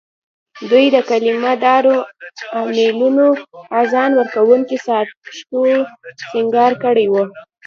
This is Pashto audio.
دوی د کلیمه دارو امېلونو، اذان ورکوونکو ساعتو سینګار کړي وو.